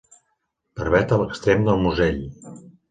Barbeta a l'extrem del musell.